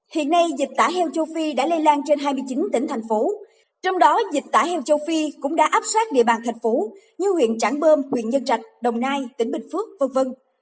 hiện nay dịch tả heo châu phi đã lây lan trên hai mươi chín tỉnh thành phố trong đó dịch tả heo châu phi cũng đã áp soát địa bàn thành phố như huyện trảng bơm huyện nhân trạch đồng nai tỉnh bình phước v v